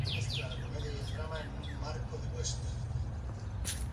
Mezcla la comedia y el drama en un marco de western.